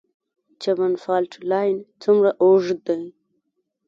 چمن فالټ لاین څومره اوږد دی؟